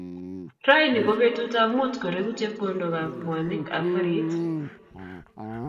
Raini ko betut ab muut koreku chepkondok ab mwanik ab kariit